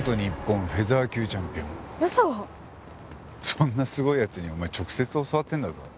そんなすごい奴にお前直接教わってるんだぞ。